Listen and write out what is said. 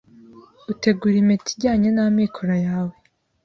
utegura impeta ijyanye n’amikoro yawe.